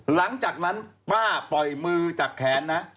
หลังจากนั้นป้าปล่อยมือจากแขนนะ